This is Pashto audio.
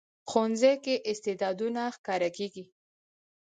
ښوونځی کې استعدادونه ښکاره کېږي